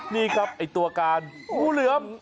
นี่ครับไอ้ตัวกาลโอ้เหลือ